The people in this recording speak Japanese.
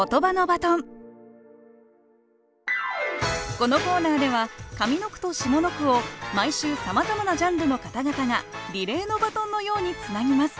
このコーナーでは上の句と下の句を毎週さまざまなジャンルの方々がリレーのバトンのようにつなぎます。